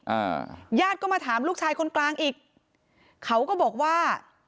ญาติก็มาถามลูกชายคนกลางอีกเขาก็บอกว่า